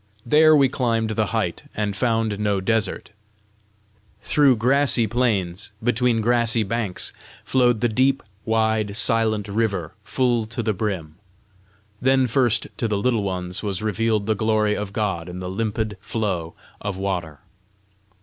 There we climbed the height and found no desert: through grassy plains, between grassy banks, flowed the deep, wide, silent river full to the brim. Then first to the Little Ones was revealed the glory of God in the limpid flow of water.